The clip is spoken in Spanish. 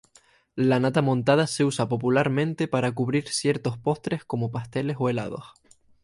La nata montada se usa popularmente para cubrir ciertos postres como pasteles o helados.